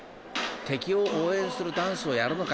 敵を応援するダンスをやるのか？